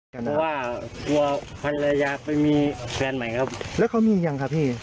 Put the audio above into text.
แต่ว่ากลัวภรรยาไปมีแฟนใหม่ครับแล้วเขามียังครับพี่